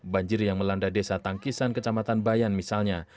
banjir yang melanda desa tangkisan kecamatan bayan misalnya